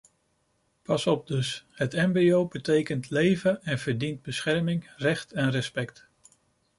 Pas op dus: het embryo betekent leven en verdient bescherming, recht en respect.